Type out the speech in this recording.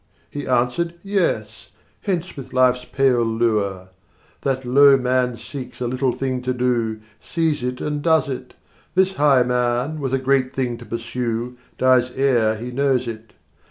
He answered "Yes: Hence with life's pale lure!" That low man seeks a little thing to do, Sees it and does it: This high man, with a great thing to pursue, Dies ere he knows it.